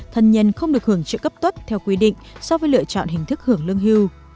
thân nhân không được hưởng trợ cấp tuất theo quy định so với lựa chọn hình thức hưởng lương hưu